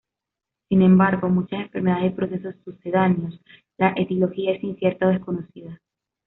Sin embargo, en muchas enfermedades y procesos sucedáneos, la etiología es incierta o desconocida.